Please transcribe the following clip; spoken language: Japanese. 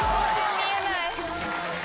見えない！